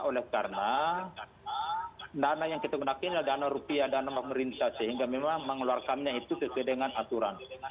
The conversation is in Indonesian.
oleh karena dana yang kita gunakan adalah dana rupiah dana pemerintah sehingga memang mengeluarkannya itu sesuai dengan aturan